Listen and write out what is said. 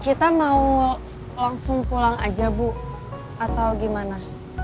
kita mau langsung pulang aja bu atau gimana